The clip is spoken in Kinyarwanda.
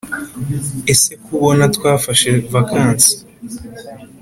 ese ko ubona twafashe vacancy